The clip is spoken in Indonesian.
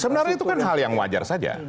sebenarnya itu kan hal yang wajar saja